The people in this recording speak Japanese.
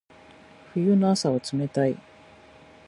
冬の朝は冷たい。